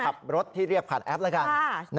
ขับรถที่เรียกผ่านแอปแล้วกัน